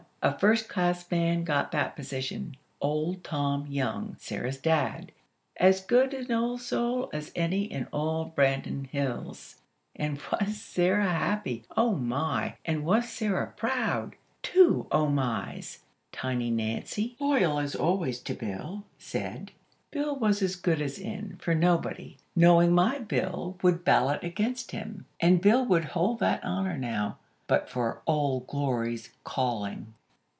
A first class man got that position; old Tom Young, Sarah's Dad, as good an old soul as any in all Branton Hills. And was Sarah happy! Oh, my! And was Sarah proud! Two "oh, mys!" Tiny Nancy, loyal as always to Bill, said: "Bill was as good as in, for nobody, knowing my Bill would ballot against him; and Bill would hold that honor now, but for 'Old Glory's' calling."